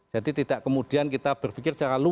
jadi tidak kemudian kita berpikir secara lalu